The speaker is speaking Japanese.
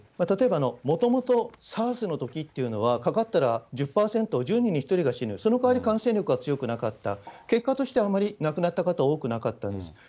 例えばもともとＳＡＲＳのときっていうのは、かかったら１０％、１０人に１人が死ぬ、そのかわり感染力は強くなかった、結果としてあまり亡くなった方、多くなかったんです。